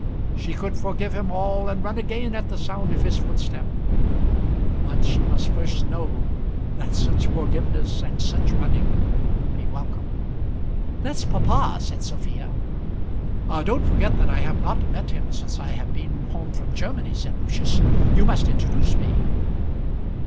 She could forgive him all and run again at the sound of his footstep, but she must first know that such forgiveness and such running would be welcome. "That's papa," said Sophia. "Don't forget that I have not met him since I have been home from Germany," said Lucius. "You must introduce me."